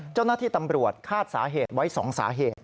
เจ้าหน้าที่ตำรวจคาดสาเหตุไว้๒สาเหตุ